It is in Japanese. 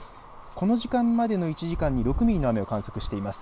この時間までの１時間に６ミリの雨を観測しています。